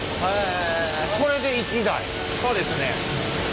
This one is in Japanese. そうですね。